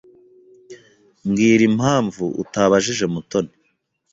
Mbwira impamvu utabajije Mutoni.